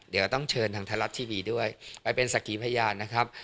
เดี๋ยวต้องเชิญทางไทยรัฐทีวีด้วยไปเป็นสักขีพยานนะครับ